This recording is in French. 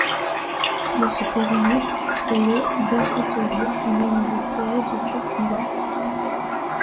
Dans ce périmètre, le d'infanterie mène une série de durs combats.